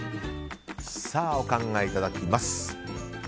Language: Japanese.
さあ、お考えいただきます。